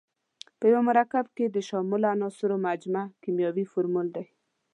په یو مرکب کې د شاملو عنصرونو مجموعه کیمیاوي فورمول دی.